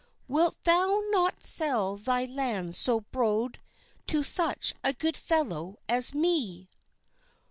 Wilt thou not sell thy land so brode To such a good fellow as me?